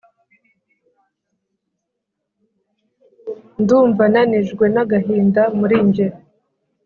Ndumva nanijwe nagahinda muri njye